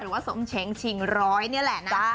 หรือว่าส้มเชงชิงรอยนี่แหละนะ